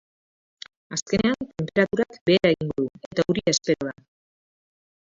Asteazkenean, tenperaturak behera egingo du, eta euria espero da.